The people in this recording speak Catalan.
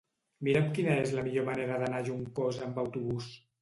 Mira'm quina és la millor manera d'anar a Juncosa amb autobús.